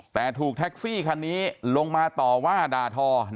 แต่ถูกแท็กซี่คันนี้ลงมาต่อว่าด่าทอ